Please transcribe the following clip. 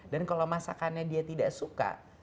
dan kalau masakannya dia tidak suka